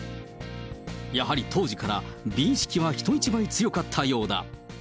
やはり当時から美意識は人一倍強かったようだ。